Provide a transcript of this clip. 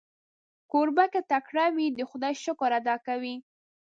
کوربه که تکړه وي، د خدای شکر ادا کوي.